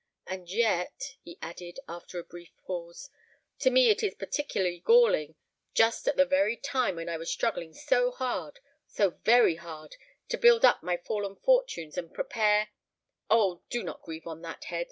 And yet," he added, after a brief pause, "to me it is particularly galling just at the very time when I was struggling so hard—so very hard—to build up my fallen fortunes, and prepare——" "Oh! do not grieve on that head!"